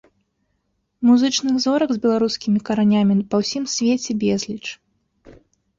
Музычных зорак з беларускімі каранямі па ўсім свеце безліч.